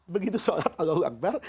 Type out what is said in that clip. begitu sholat allah akbar